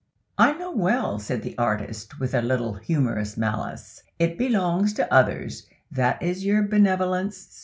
"I know well," said the artist, with a little humorous malice. "It belongs to others. That is your benevolence.